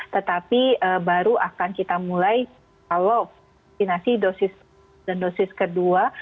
tetapi baru akan kita mulai kalau vaksinasi dosis dan dosis kedua